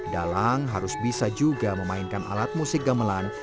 dalang harus bisa juga memainkan alat musik gamelan